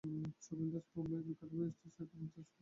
ছবিল দাস বোম্বাই-এর বিখ্যাত ব্যারিষ্টার শেঠ রামদাস ছবিল দাস।